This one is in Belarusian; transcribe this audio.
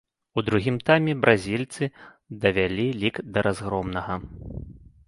У другім тайме бразільцы давялі лік да разгромнага.